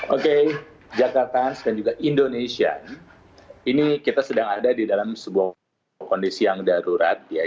oke jakarta dan juga indonesia ini kita sedang ada di dalam sebuah kondisi yang darurat ya